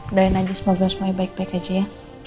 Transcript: udahin aja semoga semoga baik baik aja ya